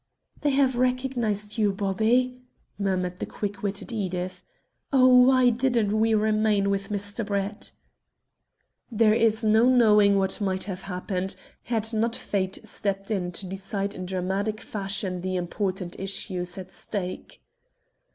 "They have recognized you, Bobby!" murmured the quick witted Edith. "Oh, why didn't we remain with Mr. Brett!" There is no knowing what might have happened had not Fate stepped in to decide in dramatic fashion the important issues at stake.